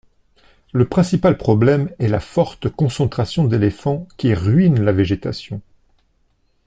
Le principal problème est la forte concentration d’éléphants qui ruine la végétation.